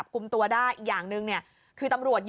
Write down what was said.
พ่อออกมามอบตัวเถอะลูกน่ะร้องไห้คุณผู้ชม